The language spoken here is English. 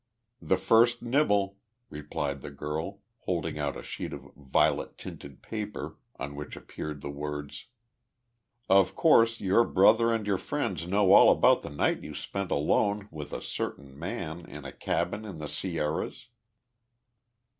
"The first nibble," replied the girl, holding out a sheet of violet tinted paper, on which appeared the words: Of course your brother and your friends know all about the night you spent alone with a certain man in a cabin in the Sierras?